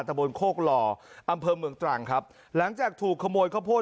ตะบนโคกหล่ออำเภอเมืองตรังครับหลังจากถูกขโมยข้าวโพด